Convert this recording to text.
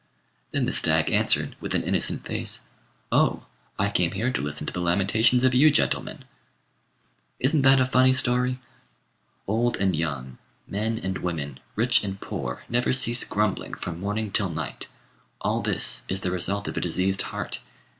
Then the stag answered, with an innocent face "Oh, I came here to listen to the lamentations of you gentlemen." Isn't that a funny story? Old and young, men and women, rich and poor, never cease grumbling from morning till night. All this is the result of a diseased heart.